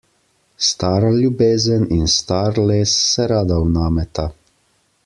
Stara ljubezen in star les se rada vnameta.